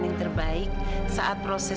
yang terbaik saat proses